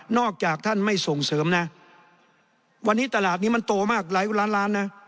อกจากท่านไม่ส่งเสริมนะวันนี้ตลาดนี้มันโตมากหลายล้านล้านนะ